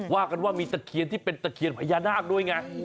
ว่ากันว่ามีตะเคียนที่เป็นตะเคียนพญานาคด้วยไง